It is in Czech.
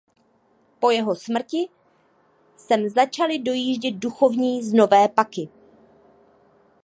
Po jeho smrti sem začali dojíždět duchovní z Nové Paky.